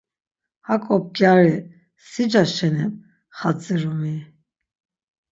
Haǩo bgyari sica şeni xadzirum-i!